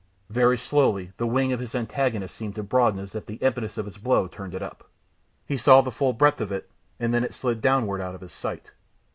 Very slowly the wing of his antagonist seemed to broaden as the impetus of his blow turned it up. He saw the full breadth of it and then it slid downward out of his sight.